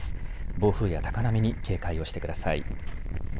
暴風や高波に警戒をしてください。